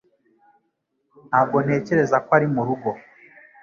Ntabwo ntekereza ko ari murugo.